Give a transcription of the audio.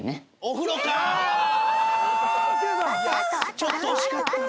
ちょっと惜しかった。